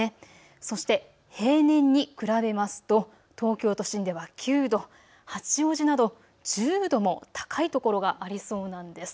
そして平年に比べますと東京都心では９度、八王子など１０度も高いところがありそうなんです。